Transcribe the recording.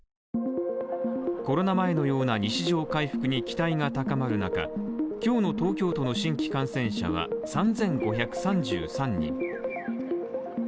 コロナ前のような日常回復に期待が高まる中今日の東京都の新規感染者は、３５３３人。